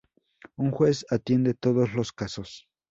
Un juez atiende todos los casos.